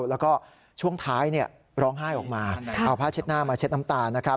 แล้วก็ช่วงท้ายร้องไห้ออกมาเอาผ้าเช็ดหน้ามาเช็ดน้ำตานะครับ